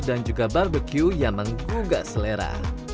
dan juga bbq yang menggugah selera